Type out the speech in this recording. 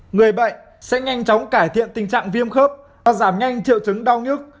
người bệnh sẽ nhanh chóng cải thiện tình trạng viêm khớp và giảm nhanh triệu chứng đau nhức